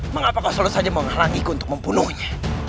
mengapa kau selalu saja menghalangiku untuk membunuhnya